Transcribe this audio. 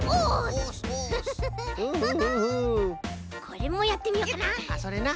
これもやってみようかな。